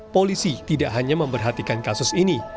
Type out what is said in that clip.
polisi tidak hanya memperhatikan kasus ini